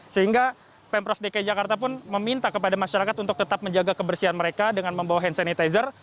sehingga pemprov dki jakarta pun meminta kepada masyarakat untuk tetap menjaga kebersihan mereka dengan membawa hand sanitizer